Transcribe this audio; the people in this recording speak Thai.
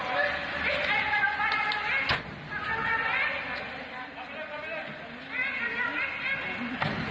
อืม